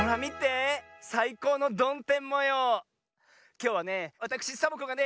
きょうはねわたくしサボ子がね